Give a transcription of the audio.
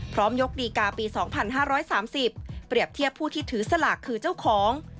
ยกดีกาปี๒๕๓๐เปรียบเทียบผู้ที่ถือสลากคือเจ้าของ